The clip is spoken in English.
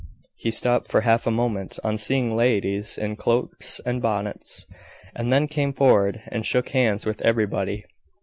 He stopped for half a moment on seeing ladies in cloaks and bonnets, and then came forward, and shook hands with everybody.